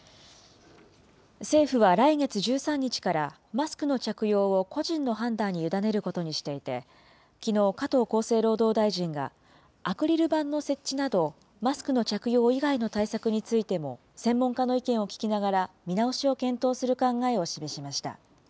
政府は来月１３日から、マスクの着用を個人の判断に委ねることにしていて、きのう、加藤厚生労働大臣が、アクリル板の設置など、マスクの着用以外の対策についても、専門家の意見を聞きながら、見直しを検討する考えを示しました。